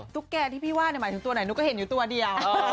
ตุ๊กแกที่พี่ว่าหมายถึงตัวไหนหนูก็เห็นอยู่ตัวเดียว